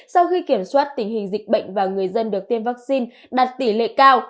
sau khi kiểm soát tình hình dịch bệnh và người dân được tiêm vaccine đạt tỷ lệ cao